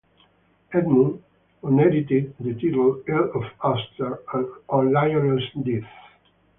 Edmund inherited the title Earl of Ulster on Lionel's death.